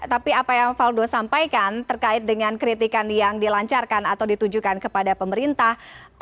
tapi apa yang valdo sampaikan terkait dengan kritikan yang dilancarkan atau ditujukan kepada pemerintah